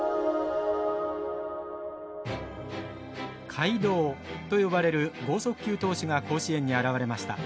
怪童と呼ばれる剛速球投手が甲子園に現れました。